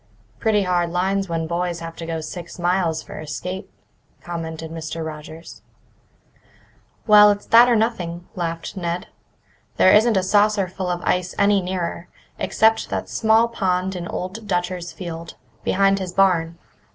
"Pretty hard lines when boys have to go six miles for a skate," commented Mr. Rogers. "Well, it's that or nothing," laughed Ned. "There isn't a saucerful of ice any nearer, except that small pond in Old Dutcher's field, behind his barn.